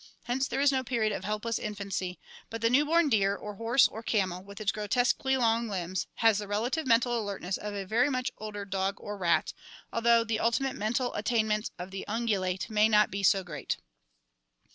Hence there is no period of helpless in fancy, but the new born deer or horse or camel, with its grotesquely long limbs, has the relative mental alertness of a very much older dog or rat, although the ultimate mental attainments of the un gulate may not be so great.